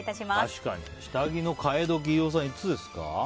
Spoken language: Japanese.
確かに、下着の替え時飯尾さん、いつですか？